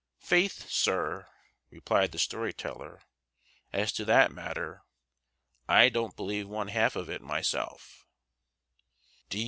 "Faith, sir," replied the story teller, "as to that matter, I don't believe one half of it myself."